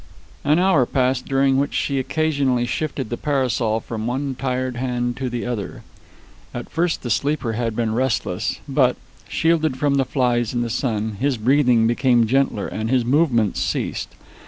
An hour passed, during which she occasionally shifted the parasol from one tired hand to the other. At first the sleeper had been restless, but, shielded from the flies and the sun, his breathing became gentler and his movements ceased.